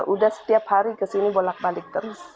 udah setiap hari kesini bolak balik terus